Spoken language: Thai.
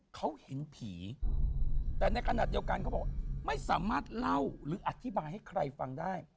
เขาเห็นผีแต่ในขณะเดียวกันเขาบอกไม่สามารถเล่าหรืออธิบายให้ใครฟังได้